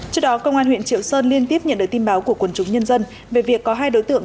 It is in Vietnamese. trước đó công an huyện triệu sơn liên tiếp nhận được tin báo của quần chúng nhân dân về việc có hai đối tượng